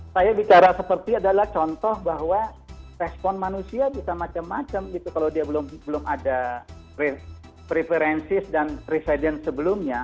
saya bicara seperti adalah contoh bahwa respon manusia bisa macam macam gitu kalau dia belum ada preferensi dan presidence sebelumnya